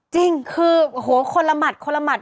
จริงคือโอ้โหคนละหมัดคนละหมัด